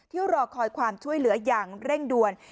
รอคอยความช่วยเหลืออย่างเร่งด่วน